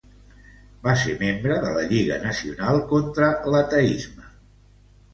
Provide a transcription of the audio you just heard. Va ser membre de la Lliga Nacional contra l'Ateisme.